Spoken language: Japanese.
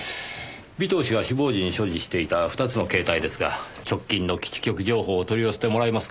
尾藤氏が死亡時に所持していた２つの携帯ですが直近の基地局情報を取り寄せてもらえますか？